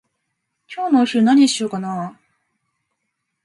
今日のお昼何にしようかなー？